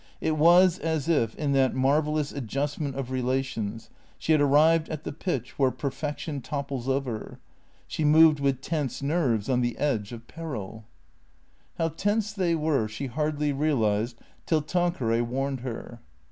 It was as if, in that marvellous adjustment of re lations, she had arrived at the pitch where perfection topples over. She moved with tense nerves on the edge of peril. THECEEATORS 343 How tense they were she hardly realized till Tanqueray warned her.